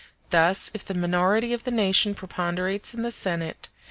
Thus, if the minority of the nation preponderates in the Senate